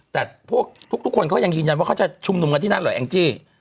แต่พวกทุกคนเขายังยืนยันว่าเขาจะชุมนุมกันที่นั่นเหรอแองจี้